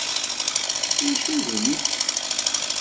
D acu d inifif?